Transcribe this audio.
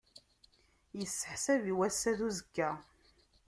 Isseḥsab i wass-a d uzekka.